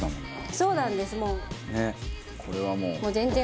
そうなんですもう。